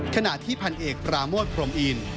ขณะที่พันเอกปราโมทพรมอิน